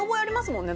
もんね